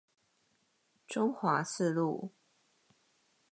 中華四路